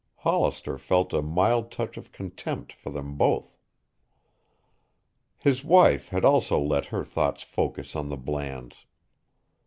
Hollister felt a mild touch of contempt for them both. His wife had also let her thoughts focus on the Blands.